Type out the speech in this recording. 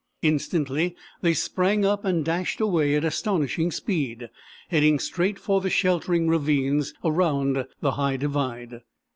Instantly they sprang up and dashed away at astonishing speed, heading straight for the sheltering ravines around the High Divide.